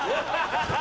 ハハハ！